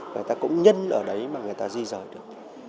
người ta cũng nhân ở đấy mà người ta di rời được